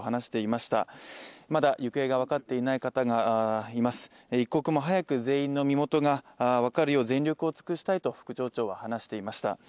まだ行方がわかっていない方がいます一刻も早く全員の身元がわかるよう全力をつくしたいと副町長は話していました。